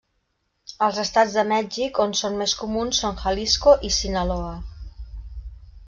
Els estats de Mèxic on són més comuns són Jalisco i Sinaloa.